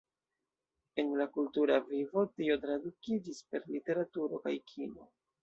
En la kultura vivo, tio tradukiĝis per literaturo kaj kino.